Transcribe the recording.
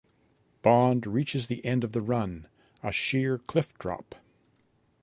Bond reaches the end of the run - a sheer cliff drop.